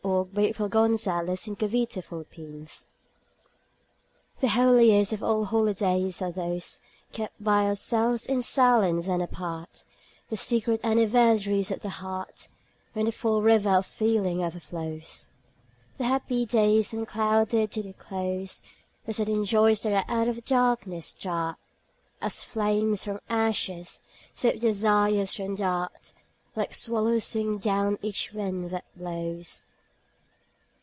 Henry Wadsworth Longfellow Holidays THE holiest of all holidays are those Kept by ourselves in silence and apart; The secret anniversaries of the heart, When the full river of feeling overflows; The happy days unclouded to their close; The sudden joys that out of darkness start As flames from ashes; swift desires that dart Like swallows singing down each wind that blows!